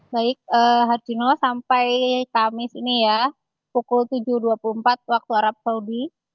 baik harjino sampai kamis ini ya pukul tujuh dua puluh empat waktu arab saudi